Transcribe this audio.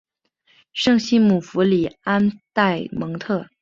圣西姆福里安代蒙特。